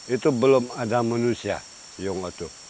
itu belum ada manusia iyung otu